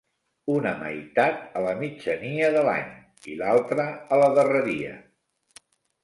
Una meitat a la mitjania de l'any, i l'altra a la darreria.